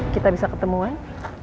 kita bisa ketemuan